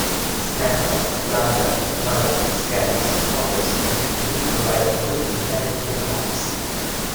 Snapper, flounder, mullet, scallops, cockles and pipi provided food in plentiful amounts.